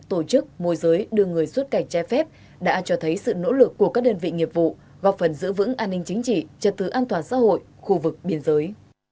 tổ chức môi giới đưa người xuất cảnh che phép đã cho thấy sự nỗ lực của các đơn vị nghiệp vụ góp phần giữ vững an ninh chính trị trật tự an toàn xã hội khu vực biên giới